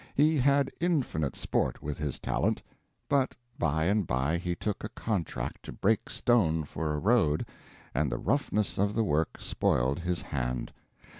He had infinite sport with his talent. But by and by he took a contract to break stone for a road, and the roughness of the work spoiled his hand.